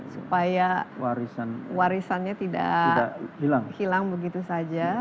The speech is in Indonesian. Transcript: supaya warisannya tidak hilang begitu saja